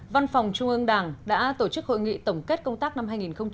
văn phòng trung ương đảng đã tổ chức hội nghị tổng kết công tác năm hai nghìn một mươi chín